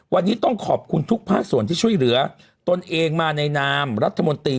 วันนี้ต้องขอบคุณทุกภาคส่วนที่ช่วยเหลือตนเองมาในนามรัฐมนตรี